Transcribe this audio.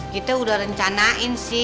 kita udah rencanain sih